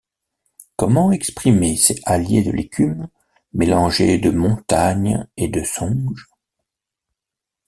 Comment exprimer ces halliers de l’écume, mélangés de montagne et de songe?